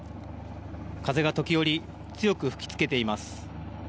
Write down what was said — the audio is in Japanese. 風が時折強く吹きつけています。